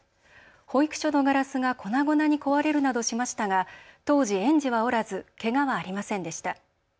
保育所のガラスが粉々に壊れるなどしましたが当時、園児はおらずけがはありませんでした。